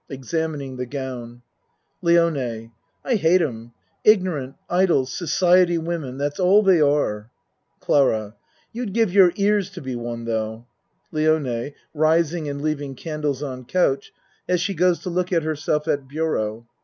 (Examining the gown.) LIONE I hate 'em. Ignorant, idle, society wo men. That's all they are. CLARA You'd give your ears to be one tho'. LIONE (Rising and leaving candles on couch , as she goes to look at herself at bureau.)